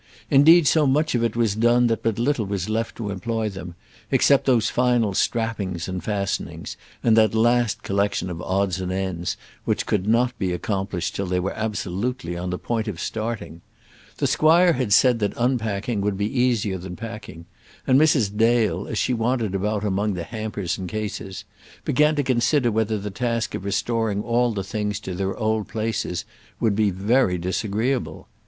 Indeed so much of it was done that but little was left to employ them, except those final strappings and fastenings, and that last collection of odds and ends which could not be accomplished till they were absolutely on the point of starting. The squire had said that unpacking would be easier than packing, and Mrs. Dale, as she wandered about among the hampers and cases, began to consider whether the task of restoring all the things to their old places would be very disagreeable.